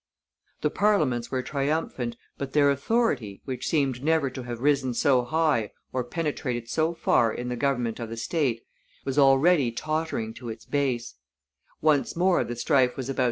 The Parliaments were triumphant, but their authority, which seemed never to have risen so high or penetrated so far in the government of the state, was already tottering to its base.